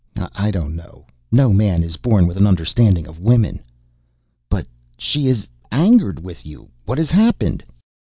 "I don't know. No man is born with an understanding of women " "But she is angered with you. What has happened?"